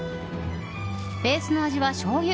ベースの味は、しょうゆ。